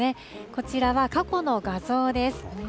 こちらは過去の画像です。